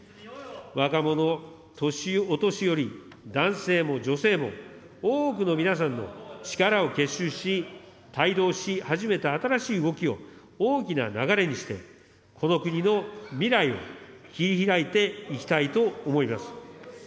若者、お年寄り、男性も女性も、多くの皆さんの力を結集し、胎動し始めた新しい動きを大きな流れにして、この国の未来を切り拓いていきたいと思います。